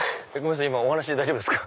今お話しして大丈夫ですか？